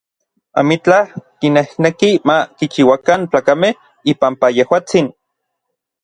Amitlaj kinejneki ma kichiuakan tlakamej ipampa yejuatsin.